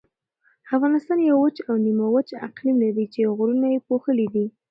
افغانستان یو وچ او نیمه وچ اقلیم لري چې غرونه یې پوښلي دي.